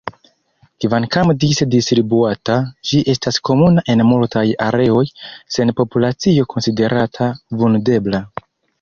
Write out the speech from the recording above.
Kvankam dise distribuata, ĝi estas komuna en multaj areoj, sen populacio konsiderata vundebla.